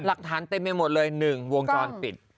หลักฐานเต็มไปหมดเลย๑วงจรปิด